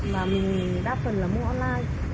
mà mình đa phần là mua online